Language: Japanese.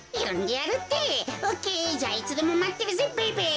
オッケーじゃあいつでもまってるぜベイベー。